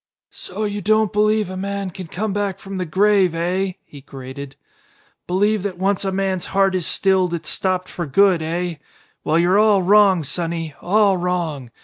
"So you don't believe a man can come back from the grave, eh?" he grated. "Believe that once a man's heart is stilled it's stopped for good, eh? Well, you're all wrong, sonny. All wrong!